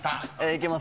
いけます。